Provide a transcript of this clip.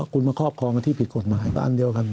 คุณมาครอบครองที่ผิดกฎหมายบ้านเดียวกัน